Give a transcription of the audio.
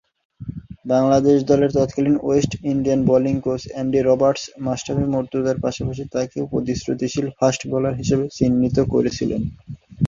বাংলাদেশ দলের তৎকালীন West Indian bowling coach Andy Roberts Mashrafe মর্তুজা’র পাশাপাশি তাকেও প্রতিশ্রুতিশীল ফাস্ট-বোলার হিসেবে চিহ্নিত করেছিলেন।